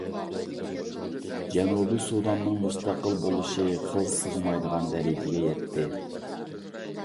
جەنۇبىي سۇداننىڭ مۇستەقىل بولۇشى قىل سىغمايدىغان دەرىجىگە يەتتى.